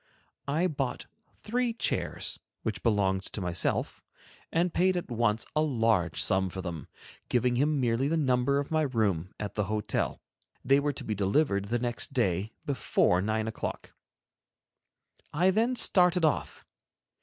I bought three chairs which belonged to myself, and paid at once a large sum for them, giving him merely the number of my room at the hotel. They were to be delivered the next day before nine o'clock. I then started off.